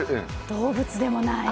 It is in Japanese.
動物でもない。